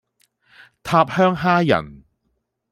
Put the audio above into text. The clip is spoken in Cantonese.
塔香蝦仁